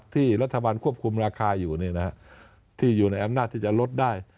ที่รัฐบาลควบคุมราคาอยู่ที่อยู่ในอำนาจที่จะลดได้